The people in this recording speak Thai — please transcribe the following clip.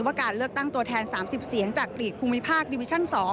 การเลือกตั้งตัวแทน๓๐เสียงจากหลีกภูมิภาคดิวิชั่น๒